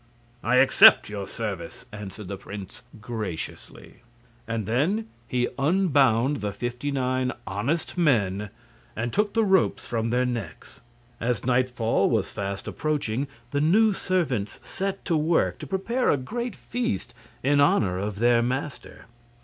"I accept your service," answered the prince, graciously. And then he unbound the fifty nine honest men and took the ropes from their necks. As nightfall was fast approaching the new servants set to work to prepare a great feast in honor of their master.